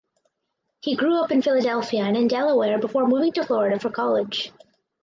He grew up in Philadelphia and in Delaware before moving to Florida for college.